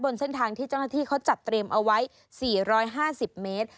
เส้นทางที่เจ้าหน้าที่เขาจัดเตรียมเอาไว้๔๕๐เมตร